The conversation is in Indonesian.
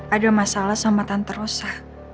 ada masalah sama tante rosa